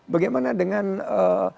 bagaimana dengan eee